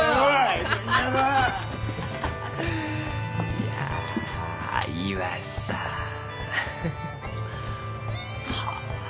いや岩さんフフ。はあ。